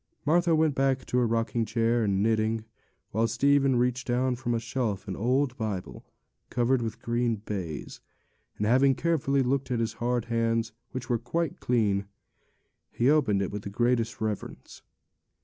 Martha went back to her rocking chair and knitting, while Stephen reached down from a shelf an old Bible, covered with green baize, and, having carefully looked that his hard hands were quite clean, he opened it with the greatest reverence.